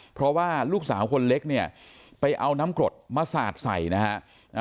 เพราะว่าลูกสาวคนเล็กเนี่ยไปเอาน้ำกรดมาสาดใส่นะฮะ